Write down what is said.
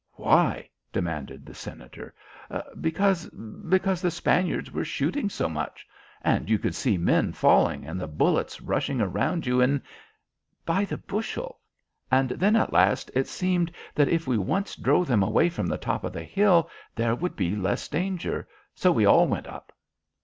"Why?" demanded the Senator. "Because because the Spaniards were shooting so much. And you could see men falling, and the bullets rushed around you in by the bushel. And then at last it seemed that if we once drove them away from the top of the hill there would be less danger. So we all went up."